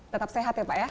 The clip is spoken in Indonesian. tetap sehat ya pak ya